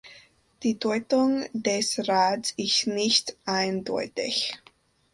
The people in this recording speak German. Die Deutung des Rads ist nicht eindeutig.